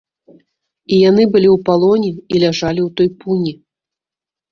І яны былі ў палоне і ляжалі ў той пуні.